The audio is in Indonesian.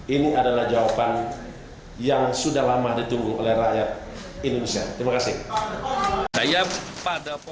ini adalah jawaban yang sudah lama ditunggu oleh rakyat indonesia terima kasih